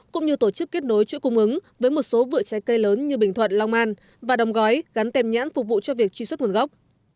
cũng như tổ chức kết nối chuỗi cung ứng với một số vựa trái cây lớn như bình thuận long an và đồng gói gắn tem nhãn phục vụ cho việc truy xuất nguồn gốc